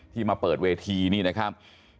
มาเปิดเวทีนี่นะครับ